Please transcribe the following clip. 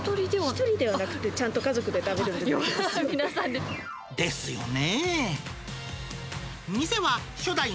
１人ではなくてちゃんと家族皆さんで。ですよね。